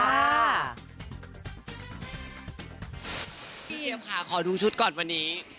พี่เอมค่ะขอดูชุดก่อนวันนี้